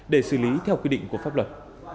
để xử lý theo quy định của pháp luật